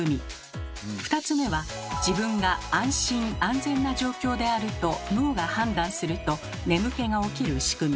２つ目は自分が安心・安全な状況であると脳が判断すると眠気が起きるしくみ。